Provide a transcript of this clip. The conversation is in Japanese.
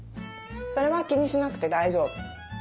それは気にしなくて大丈夫。